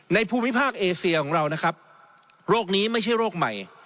ภูมิภาคเอเซียของเรานะครับโรคนี้ไม่ใช่โรคใหม่